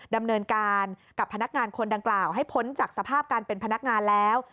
ดำเนินการกับพนักงานคนดังกล่าวให้พ้นจากสภาพการเป็นพนักงานแล้ว